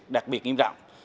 đặc biệt nghiêm trọng